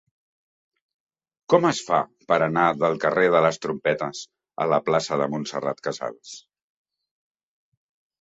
Com es fa per anar del carrer de les Trompetes a la plaça de Montserrat Casals?